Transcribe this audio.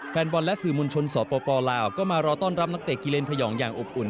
แฟนบอลและสื่อมวลชนสปลาวก็มารอต้อนรับนักเตะกิเลนพยองอย่างอบอุ่น